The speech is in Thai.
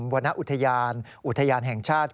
วรรณอุทยานอุทยานแห่งชาติ